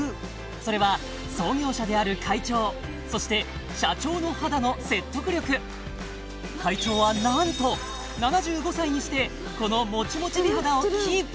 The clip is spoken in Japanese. それは創業者である会長そして社長の肌の説得力会長はなんと７５歳にしてこのモチモチ美肌をキープ